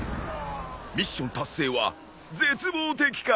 ミッション達成は絶望的かぁ。